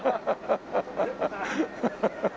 ハハハハ。